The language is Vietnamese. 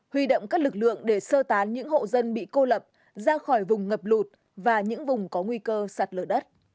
huy động các lực lượng để sơ tán những hộ dân bị cô lập ra khỏi vùng ngập lụt và những vùng có nguy cơ sạt lở đất